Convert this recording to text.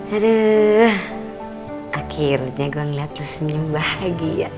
aduh akhirnya gue ngeliat lu senyum bahagia